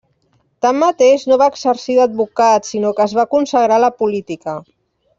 Tanmateix, no va exercir d'advocat, sinó que es va consagrar a la política.